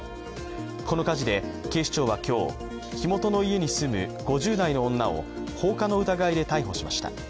この火事で、警視庁は今日火元の家に住む５０代の女を放火の疑いで逮捕しました。